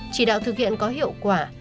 chỉ đạo thực hiện có hiệu quả